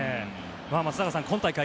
松坂さん、今大会